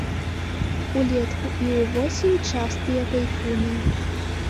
Улетку і ўвосень частыя тайфуны.